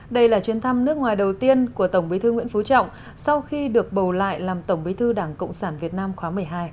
đây là chuyến thăm nước ngoài đầu tiên của tổng bí thư nguyễn phú trọng sau khi được bầu lại làm tổng bí thư đảng cộng sản việt nam khóa một mươi hai